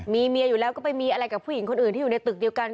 มีเมียอยู่แล้วก็ไปมีอะไรกับผู้หญิงคนอื่นที่อยู่ในตึกเดียวกัน